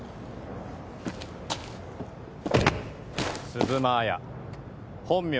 鈴間亜矢本名